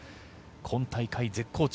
今大会、絶好調。